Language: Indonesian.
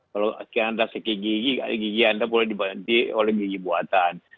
kalau kira kira sekian gigi gigi anda boleh dibandingkan oleh gigi buatan